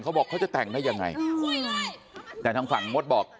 เขาบอกเขาจะแต่งได้ยังไงแต่ทางฝั่งมดบอก